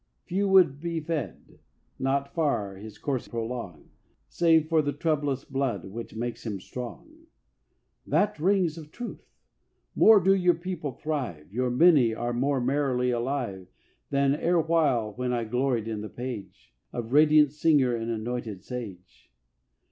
Few would be fed, not far his course prolong, Save for the troublous blood which makes him strong. That rings of truth! More do your people thrive; Your Many are more merrily alive Than erewhile when I gloried in the page Of radiant singer and anointed sage.